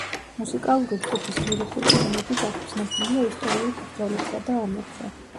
მუსიკალური ჯგუფის ლირიკული თემები დაფუძნებულია ისტორიულ ბრძოლებსა და ომებზე.